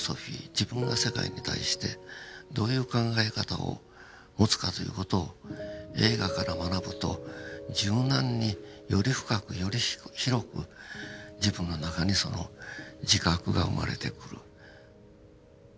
自分が世界に対してどういう考え方を持つかという事を映画から学ぶと柔軟により深くより広く自分の中にその自覚が生まれてくる。